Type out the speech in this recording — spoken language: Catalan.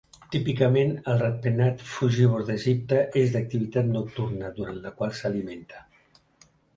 Típicament, el ratpenat frugívor d'Egipte és d'activitat nocturna, durant la qual s'alimenta.